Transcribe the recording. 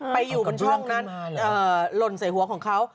ไปอยู่บนช่องนั้นหล่นใส่หัวของเขา